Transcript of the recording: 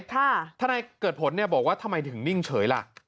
ถ้าในเกิดผลบอกว่าทำไมถึงนิ่งเฉยล่ะ